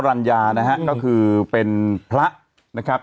พระกรรยวก็คือเป็นพระนะครับ